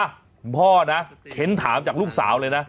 คุณพ่อนะเค้นถามจากลูกสาวเลยนะ